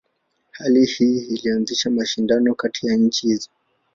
Hali hii ilianzisha mashindano kati ya nchi hizo.